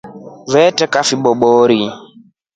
Veeteko vibobori.